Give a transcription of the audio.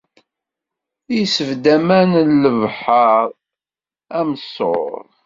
Isbedd aman n lebḥeṛmr am ṣṣur.